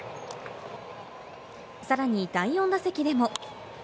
さらに第４打席でも。